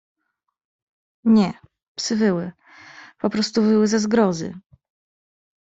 "Nie, psy wyły, poprostu wyły ze zgrozy."